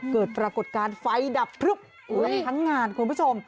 เกิดปรากฏการณ์ไฟดับทั้งงานคุณผู้ชม